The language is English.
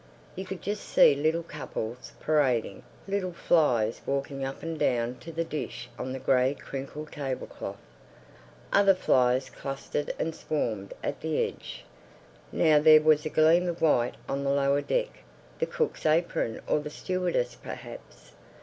You could just see little couples parading—little flies walking up and down the dish on the grey crinkled tablecloth. Other flies clustered and swarmed at the edge. Now there was a gleam of white on the lower deck—the cook's apron or the stewardess perhaps.